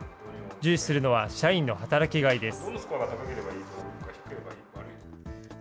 重視するのは社員の働きがいです。